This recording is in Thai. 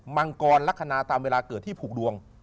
มังกรลักษณะตามเวลาเกิดที่ผูกดวง